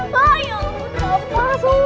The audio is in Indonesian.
pak ya allah